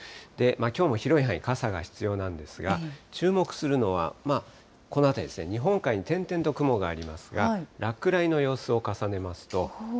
きょうも広い範囲、傘が必要なんですが、注目するのは、この辺りですね、日本海に点々と雲がありますが、落雷の様子を重ねますと。